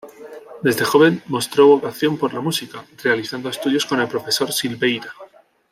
Desde joven mostró vocación por la música, realizando estudios con el profesor Silveira.